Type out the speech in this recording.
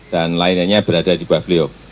dan lainnya berada di bawah beliau